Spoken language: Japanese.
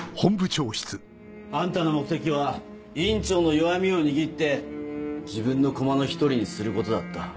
あんたの目的は院長の弱みを握って自分の駒の１人にすることだった。